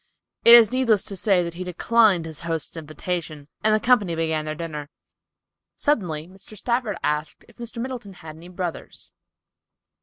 It is needless to say that he declined his host's invitation, and the company began their dinner. Suddenly Mr. Stafford asked if Mr. Middleton had any brothers.